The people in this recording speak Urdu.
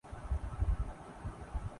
پیچیدہ مسائل کو حل کر سکتا ہوں